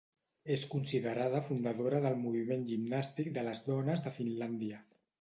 És considerada fundadora del moviment gimnàstic de les dones de Finlàndia.